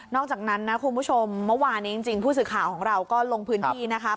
อกจากนั้นนะคุณผู้ชมเมื่อวานนี้จริงผู้สื่อข่าวของเราก็ลงพื้นที่นะคะ